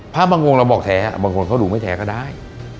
พระบางองค์เราบอกแท้บางคนเขาดูไม่แท้ก็ได้